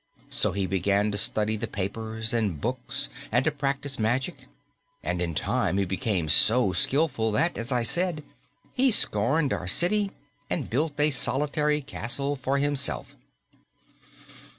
So he began to study the papers and books and to practice magic, and in time he became so skillful that, as I said, he scorned our city and built a solitary castle for himself."